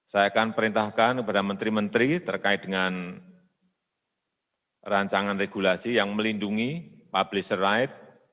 saya akan perintahkan kepada menteri menteri terkait dengan rancangan regulasi yang melindungi publisher right